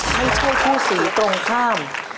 ไม่ใช่คู่สีตรงข้าม